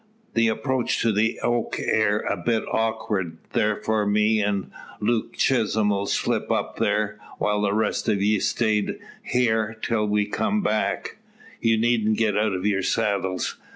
The approach to the oak air a bit awkward; therefore, me an' Luke Chisholm 'll slip up thar, whiles the rest o' ye stay hyar till we come back. You needn't get out of your saddles.